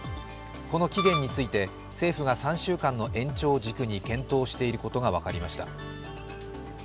この期限について政府が３週間の延長を軸に検討していることが分かりました。